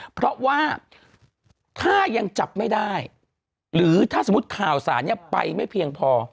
เพราะว่าถ้ายังจับไม่ได้หรือถ้าสมมุติข่าวสารเนี่ยไปไม่เพียงพอ